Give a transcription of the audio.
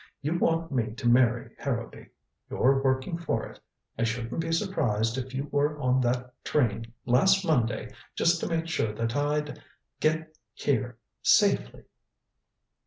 You want me to marry Harrowby. You're working for it. I shouldn't be surprised if you were on that train last Monday just to make sure that I'd get here safely."